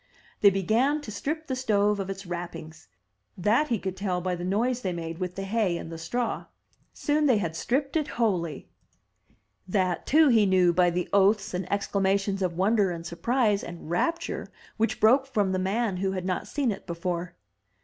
They began to strip the stove of its wrappings; that he could tell by the noise they made with the hay and the straw. Soon they had stripped it wholly; that, too, he 301 MY BOOK HOUSE knew by the oaths and exclamations of wonder and surprise and rapture which broke from the man who had not seen it before.